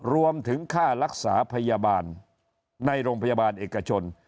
รวมถึงค่ารักษาพยาบาลในโรงพยาบาลเอกชน